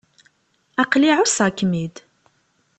Aql-i ɛusseɣ-kem-id.